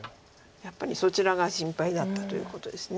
やっぱりそちらが心配だったということです。